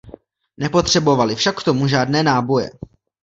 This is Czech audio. Nepotřebovali však k tomu žádné náboje.